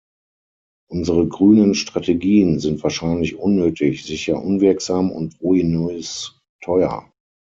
Unsere grünen Strategien sind wahrscheinlich unnötig, sicher unwirksam und ruinös teuer.